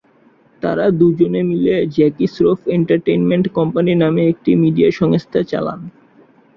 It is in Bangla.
তারা দুজনে মিলে জ্যাকি শ্রফ এন্টারটেইনমেন্ট কোম্পানি নামে একটি মিডিয়া সংস্থা চালান।